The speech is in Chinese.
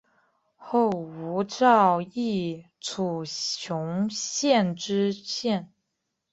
后吴兆毅署雄县知县。